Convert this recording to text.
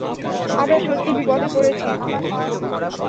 আমরা সত্যিই বিপদে পড়েছি।